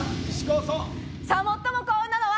最も幸運なのは。